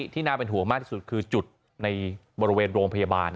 น่าเป็นห่วงมากที่สุดคือจุดในบริเวณโรงพยาบาล